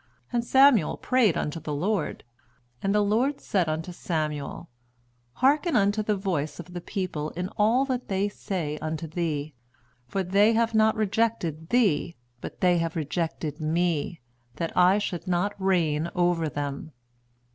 And Samuel prayed unto the Lord. And the Lord said unto Samuel, Hearken unto the voice of the people in all that they say unto thee: for they have not rejected thee, but they have rejected me, that I should not reign over them.